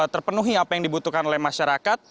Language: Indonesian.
terpenuhi apa yang dibutuhkan oleh masyarakat